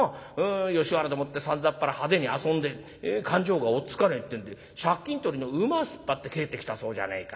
吉原でもってさんざっぱら派手に遊んで勘定が追っつかねえってんで借金取りの馬引っ張って帰ってきたそうじゃねえか。